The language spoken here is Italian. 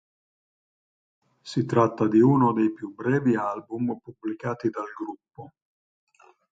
Si tratta di uno dei più brevi album pubblicati dal gruppo.